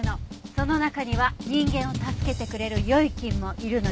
その中には人間を助けてくれる良い菌もいるのよ。